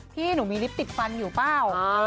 พี่หนูมีลิฟต์ติดฟันอยู่เปล่า